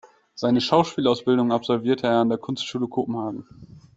Seine Schauspielausbildung absolvierte er an der Kunstschule Kopenhagen.